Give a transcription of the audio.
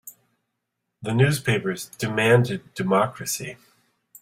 The newspapers demanded democracy.